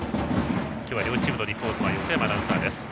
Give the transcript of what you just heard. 両チームのリポートは横山アナウンサーです。